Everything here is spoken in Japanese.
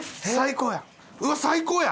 最高や！